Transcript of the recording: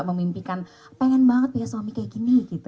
pengen banget punya suami kayak gini